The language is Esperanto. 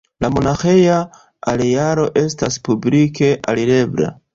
La monaĥeja arealo estas publike alirebla.